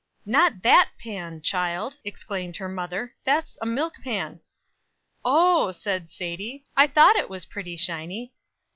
"Not that pan, child!" exclaimed her mother "That's a milk pan." "O," said Sadie, "I thought it was pretty shiny.